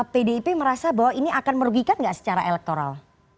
pdip merasa bahwa ini akan merugikan nggak secara elektoral